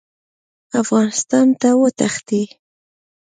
افغانستان ته وتښتي.